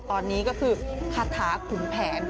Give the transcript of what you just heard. ตอนนี้ก็คือคาถาขุนแผน